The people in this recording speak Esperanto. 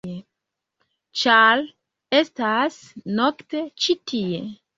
ĉar estas nokte ĉi tie-.